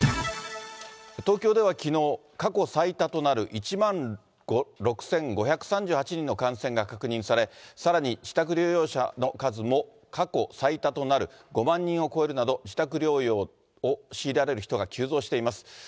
東京ではきのう、過去最多となる１万６５３８人の感染が確認され、さらに自宅療養者の数も過去最多となる５万人を超えるなど、自宅療養を強いられる人が急増しています。